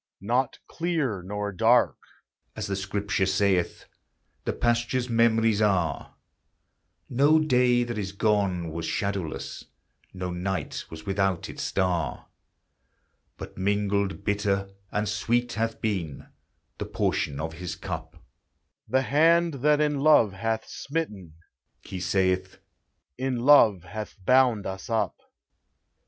"Not clear nor dark," as the Scripture saith, The pastor's memories are; No day that is gone was shadowless, No night was without its star; But mingled bitter and sweet hath been The portion of his cup: "The hand that in love hath smitten," he saith, "In love hath bound us up."